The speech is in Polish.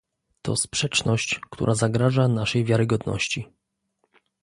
To sprzeczność, która zagraża naszej wiarygodności